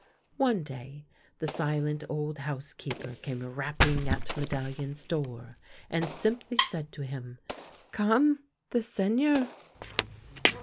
One day the silent old housekeeper came rapping at Medallion's door, and simply said to him, " Come — the Seigneur